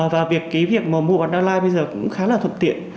và việc cái việc mua online bây giờ cũng khá là thuận tiện